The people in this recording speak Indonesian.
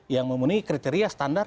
yang memenuhi kriteria standar